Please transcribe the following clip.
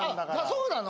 そうなの？